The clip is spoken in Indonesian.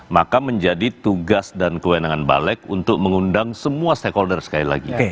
maka menjadi tugas dan kewenangan balik untuk mengundang semua stakeholder sekali lagi